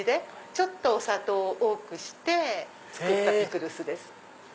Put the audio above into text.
ちょっとお砂糖を多くして作ったピクルスです。